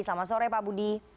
selamat sore pak budi